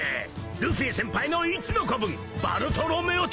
ルフィ先輩の一の子分バルトロメオと。